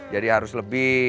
jadi harus lebih